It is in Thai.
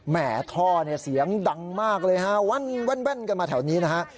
แหมท่อเสียงดังมากเลยวั่นกันมาแถวนี้นะฮะ